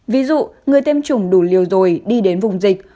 ví dụ người tiêm chủng đủ liều rồi đi đến vùng dịch